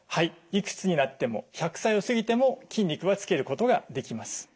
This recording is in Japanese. いくつになっても１００歳を過ぎても筋肉はつけることができます。